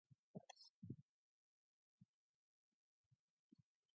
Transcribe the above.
Deitz is of Serbian heritage.